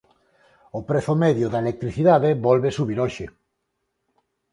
O prezo medio da electricidade volve subir hoxe.